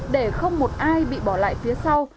để không một ai bị bỏ lại phía sau